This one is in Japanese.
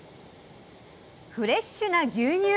フレッシュな牛乳！